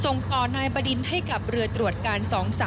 ส่งต่อนายบดินให้กับเรือตรวจการ๒๓